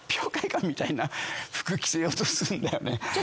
着せようとするんだよね。